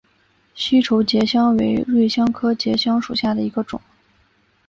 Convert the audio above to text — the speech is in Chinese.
西畴结香为瑞香科结香属下的一个种。